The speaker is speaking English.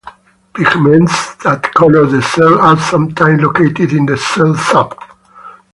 Pigments that color the cell are sometime located in the cell sap.